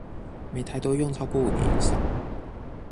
每台都用超過五年以上